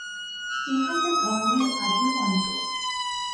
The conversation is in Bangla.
ইহাই তো ধর্মের আদি অন্ত।